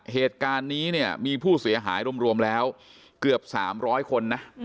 เหตุการณ์นี้เนี่ยมีผู้เสียหายรวมแล้วเกือบ๓๐๐คนนะ